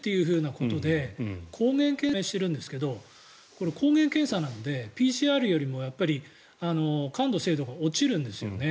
それで感染が判明しているんですが抗原検査なのでＰＣＲよりも感度、精度が落ちるんですよね。